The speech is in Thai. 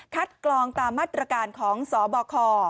คัดกรองตามัตรการของสบค